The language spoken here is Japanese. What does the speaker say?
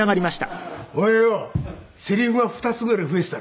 「お前よセリフが２つぐらい増えていたろ？」